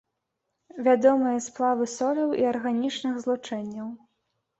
Вядомыя сплавы соляў і арганічных злучэнняў.